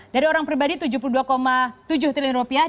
dari orang pribadi tujuh puluh dua tujuh triliun rupiah